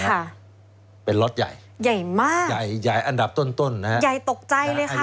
ค่ะเป็นรถใหญ่ใหญ่มากใหญ่ใหญ่อันดับต้นต้นนะฮะใหญ่ตกใจเลยค่ะ